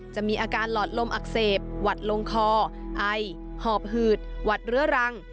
จะมีอาการหลอดลมอักเสบหวัดลงคอไอหอบหืดหวัดเรื้อรัง